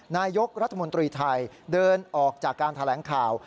นายกรัฐมนตรีไทยเดินออกจากการแถลงข่าว